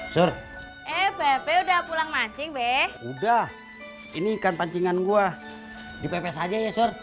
sur eh bebe udah pulang mancing be udah ini kan pancingan gua dipepes aja ya sur